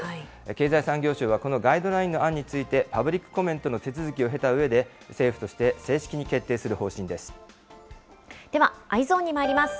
経済産業省はこのガイドラインの案について、パブリックコメントの手続きを経たうえで、政府として正式に決定ではＥｙｅｓｏｎにまいります。